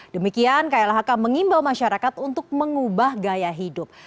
demikian klhk mengimbau masyarakat untuk mengubah gaya hidup